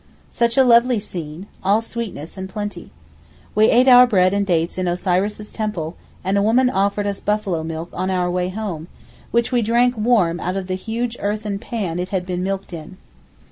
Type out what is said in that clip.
Such a lovely scene, all sweetness and plenty. We ate our bread and dates in Osiris' temple, and a woman offered us buffalo milk on our way home, which we drank warm out of the huge earthen pan it had been milked in.